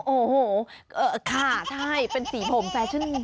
โอ้โหค่ะใช่เป็นสีผมแฟชั่น